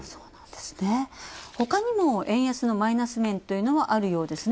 ほかにも円安のマイナス面というのはあるようですね。